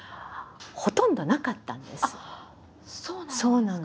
そうなの。